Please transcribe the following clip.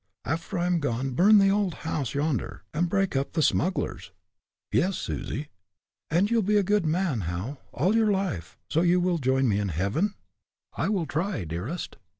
After I am gone burn the old house yonder, and break up the smugglers." "Yes, Susie." "And you'll be a good man, Hal, all your life, so you will join me in heaven?" "I will try, dearest."